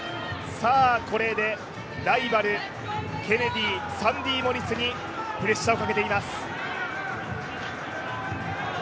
これでライバル、ケネディサンディ・モリスにプレッシャーをかけています。